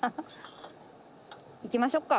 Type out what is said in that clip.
行きましょっか。